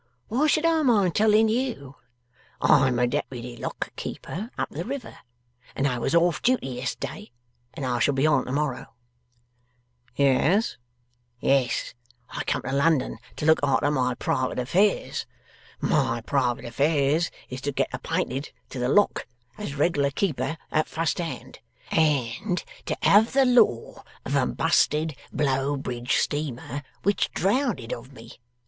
Why should I mind telling you? I'm a Deputy Lock keeper up the river, and I was off duty yes'day, and I shall be on to morrow.' 'Yes?' 'Yes, and I come to London to look arter my private affairs. My private affairs is to get appinted to the Lock as reg'lar keeper at fust hand, and to have the law of a busted B'low Bridge steamer which drownded of me.